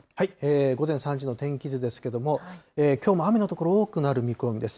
午前３時の天気図ですけれども、きょうも雨の所、多くなる見込みです。